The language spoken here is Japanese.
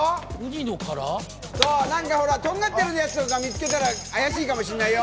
とんがってるやつとか見つけたら、怪しいかもしれないよ。